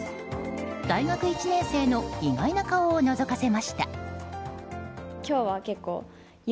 大学１年生の意外な顔をのぞかせました。